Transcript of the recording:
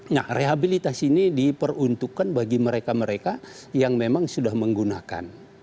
nah rehabilitasi ini diperuntukkan bagi mereka mereka yang memang sudah menggunakan